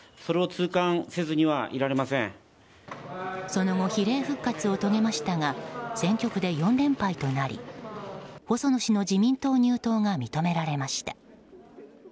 その後比例復活を遂げましたが選挙区で４連敗となり細野氏の自民党入党が認められました。